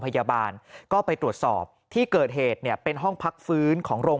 พยาบาลก็ไปตรวจสอบที่เกิดเหตุเนี่ยเป็นห้องพักฟื้นของโรง